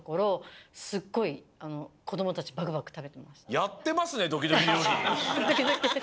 やってますねドキドキりょうり！